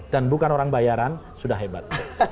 dan bukan orang bayaran sudah hebat